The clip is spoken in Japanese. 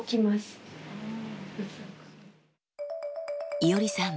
いおりさん